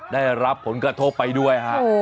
ได้รับผลกระทบไปด้วยฮะ